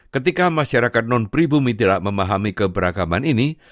ketika masyarakat non pribumi tidak memahami keberagaman ini